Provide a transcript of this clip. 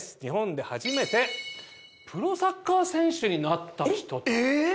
日本で初めてプロサッカー選手になった人。